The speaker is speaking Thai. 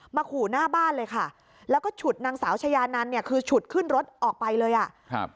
ขู่หน้าบ้านเลยค่ะแล้วก็ฉุดนางสาวชายานันเนี่ยคือฉุดขึ้นรถออกไปเลยอ่ะครับ